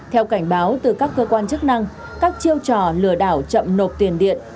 theo cảnh báo từ các cơ quan chức năng các chiêu trò lừa đảo chậm nộp tiền điện